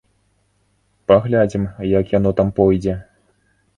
Паглядзім, як яно там пойдзе.